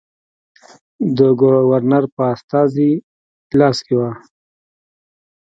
د ګورنر په استازي لاس کې وه.